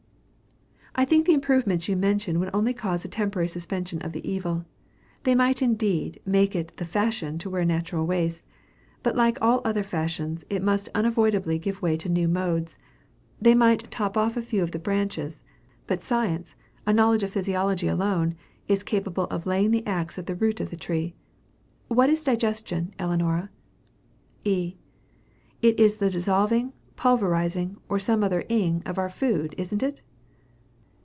_ I think the improvements you mention would only cause a temporary suspension of the evil. They might indeed make it the fashion to wear natural waists; but like all other fashions, it must unavoidably give way to new modes. They might lop off a few of the branches; but science, a knowledge of physiology alone, is capable of laying the axe at the root of the tree. What is digestion, Ellinora? E. It is the dissolving, pulverizing, or some other ing, of our food, isn't it?